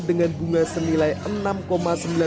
dengan bunga senilai emosi